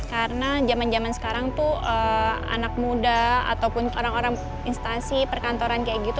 karena zaman zaman sekarang tuh anak muda ataupun orang orang instansi perkantoran kayak gitu